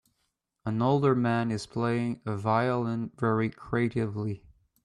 An older man is playing a violin very creatively.